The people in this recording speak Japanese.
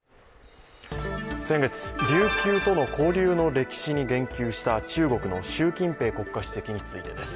先月、琉球との交流の歴史に言及した中国の習近平国家主席についてです。